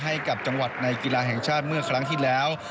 ให้กับจังหวัดในกีฬาแห่งชาติเมื่อครั้งที่แล้ว